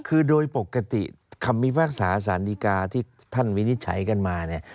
คือโดยปกติคำมีภาคศาสนิกาที่ท่านวินิตใช้กันมา